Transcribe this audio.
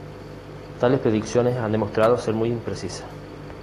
Tales predicciones han demostrado ser muy imprecisas.